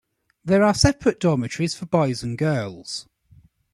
There are separate dormitories for boys and girls.